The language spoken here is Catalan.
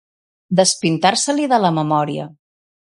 Despintar-se-l'hi de la memòria.